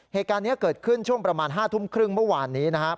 เหตุการณ์นี้เกิดขึ้นช่วงประมาณ๕ทุ่มครึ่งเมื่อวานนี้นะครับ